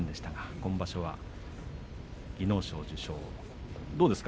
今場所は技能賞受賞どうですか？